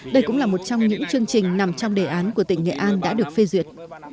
đây cũng là một trong những chương trình nằm trong đề án của tỉnh nghệ an đã được phê duyệt